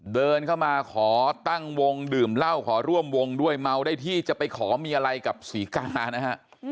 เดินเข้ามาขอตั้งวงดื่มเหล้าขอร่วมวงด้วยเมาได้ที่จะไปขอมีอะไรกับศรีกานะฮะ